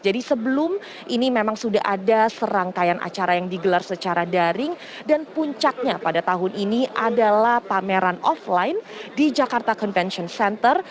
jadi sebelum ini memang sudah ada serangkaian acara yang digelar secara daring dan puncaknya pada tahun ini adalah pameran offline di jakarta convention center